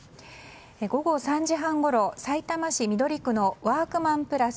午後３時半ごろさいたま市緑区のワークマンプラス